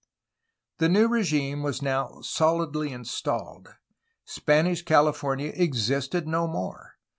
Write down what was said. The new regime was now solidly installed. Spanish Cali fornia existed no more.